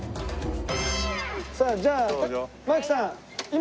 さあじゃあ槙さんはい。